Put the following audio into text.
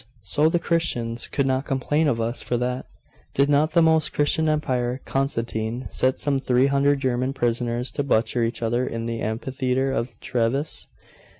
So the Christians could not complain of us for that. Did not the most Christian Emperor Constantine set some three hundred German prisoners to butcher each other in the amphitheatre of Treves?